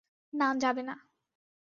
না, যাবে না।